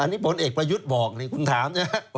อันนี้ผลเอกประยุทธ์บอกนี่คุณถามนะครับ